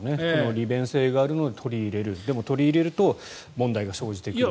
利便性があるので取り入れるでも取り入れると問題が生じてくるという。